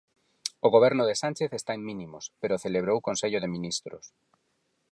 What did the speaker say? O Goberno de Sánchez está en mínimos, pero celebrou Consello de Ministros.